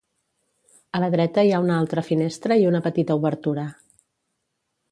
A la dreta hi ha una altra finestra i una petita obertura.